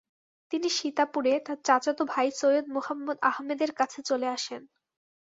তিনি সীতাপুরে তার চাচাত ভাই সৈয়দ মুহাম্মদ আহমেদের কাছে চলে আসেন।